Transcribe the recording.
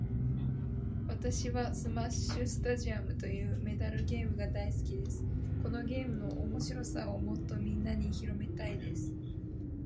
私はスマッシュスタジアムというメダルゲームが大好きです。このゲームの面白さをもっとみんなに広めたいです。